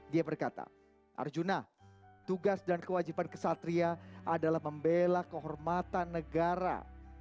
dia berkata arjuna tugas dan kewajiban kesatria adalah membela kehormatan negara